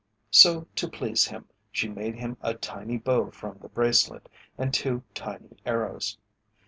So to please him she made him a tiny bow from the bracelet, and two tiny arrows.